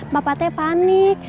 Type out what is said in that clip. bapak teh panik